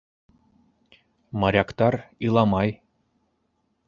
Моряктар иламай.